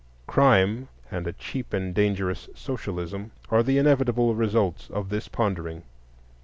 Crime, and a cheap and dangerous socialism, are the inevitable results of this pondering.